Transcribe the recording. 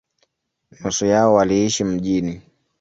Nusu yao waliishi mjini.